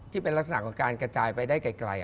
ที่เป็นลักษณะของการกระจายไปได้ไกล